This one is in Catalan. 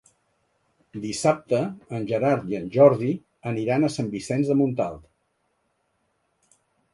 Dissabte en Gerard i en Jordi aniran a Sant Vicenç de Montalt.